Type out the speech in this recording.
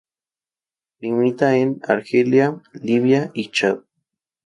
Limita con Argelia, Libia y Chad.